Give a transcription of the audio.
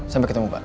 sampai ketemu pak